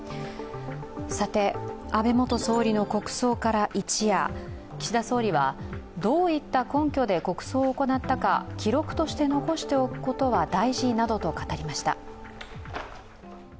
安倍元総理の国葬から一夜、岸田総理はどういった根拠で国葬を行ったか記録として残しておくことは大事などと語りました。